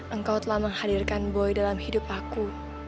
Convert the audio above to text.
engkau telah menghadirkan boy dalam hidup aku